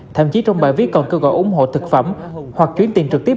thậm chí trong bài viết còn kêu gọi ủng hộ thực phẩm hoặc chuyển tiền trực tiếp